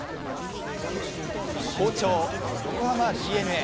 好調、横浜ＤｅＮＡ。